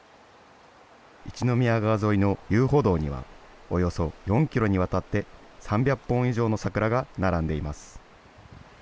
一宮川沿いの遊歩道にはおよそ４キロにわたって、３００本以上の桜が並んでいます。